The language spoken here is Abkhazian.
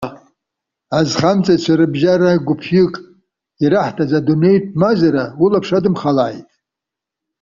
Азхамҵаҩцәа рыбжьара гәыԥҩык, ираҳҭаз адунеитә мазара улаԥш адымхалааит!